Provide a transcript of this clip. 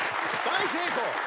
大成功。